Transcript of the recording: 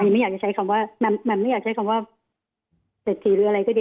มันไม่อยากใช้คำว่าเศรษฐีหรืออะไรก็ดี